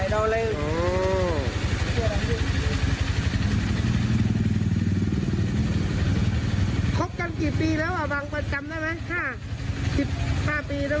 ได้โอ้แล้วบ้างตามแบบนี้กี่ครั้งแล้วอ่ะ